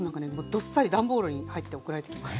どっさり段ボールに入って送られてきます。